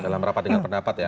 dalam rapat dengan pendapat ya